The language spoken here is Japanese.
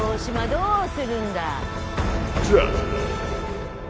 どうするんだ？